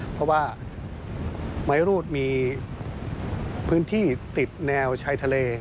เพราะว่าไม้รูดมีพื้นที่ติดแนวชายทะเล